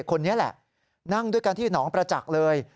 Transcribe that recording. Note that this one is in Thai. คนนี้แหละนั่งด้วยกันที่หนองประจักษ์เลย